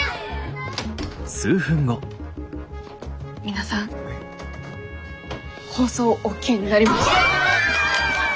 皆さん放送オーケーになりました。